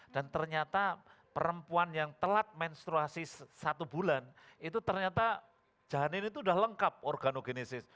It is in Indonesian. dan ternyata perempuan yang telat menstruasi satu bulan itu ternyata janin itu sudah lengkap organogenesis